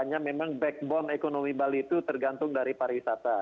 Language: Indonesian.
jadi backbone ekonomi bali itu tergantung dari pariwisata